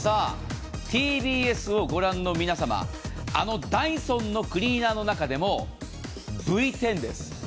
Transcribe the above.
ＴＢＳを御覧の皆様、あのダイソンのクリーナーの中でもＶ１０